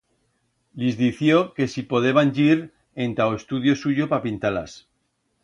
Lis dició que si podeban yir enta o estudio suyo pa pintar-las.